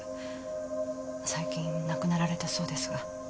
最近亡くなられたそうですが。